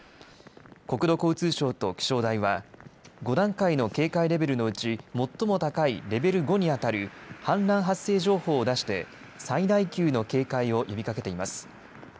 国土交通省と気象台は５段階の警戒レベルのうち最も高いレベル５にあたる氾濫発生情報を出して最大級の警戒を呼びかけています。